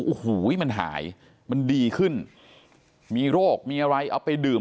โอ้โหมันหายมันดีขึ้นมีโรคมีอะไรเอาไปดื่ม